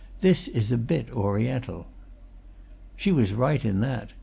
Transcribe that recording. "This is a bit Oriental." She was right in that.